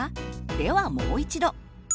ではもう一度。